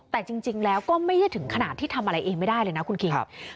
แต่จริงแล้วก็ไม่ได้ถึงขนาดที่ทำอะไรเองไม่ได้เลยนะคุณคิง